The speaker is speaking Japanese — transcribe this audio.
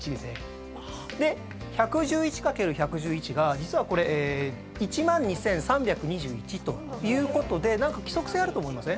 １１１×１１１が実はこれ１万２，３２１ということで何か規則性あると思いません？